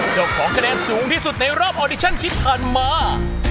เจ้าของคะแนนสูงที่สุดในรอบออดิชั่นที่ผ่านมา